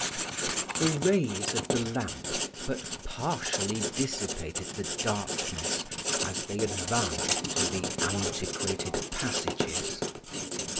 The rays of the lamp but partially dissipated the darkness as they advanced through the antiquated passages.